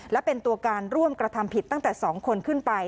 และเป็นตัวการร่วมกระทำผิดตั้งแต่๒คนขึ้นไป